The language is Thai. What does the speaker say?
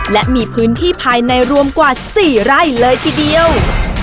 และมีพื้นที่ภายในรวมกว่า๔ไร่เลยทีเดียว